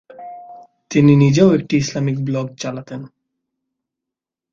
তিনি নিজেও একটি ইসলামিক ব্লগ চালাতেন।